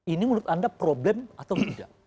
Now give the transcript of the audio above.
ini menurut anda problem atau tidak